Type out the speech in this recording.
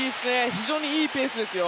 非常にいいペースですよ。